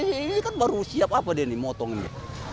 setiap hari ini kan baru siap apa deh ini motongnya